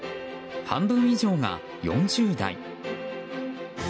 半分以上が４０代。